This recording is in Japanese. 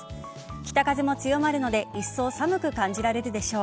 北風も強まるのでいっそう寒く感じられるでしょう。